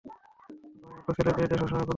তোমার মত ছেলে পেয়ে সে সবসময় গর্ব করতো!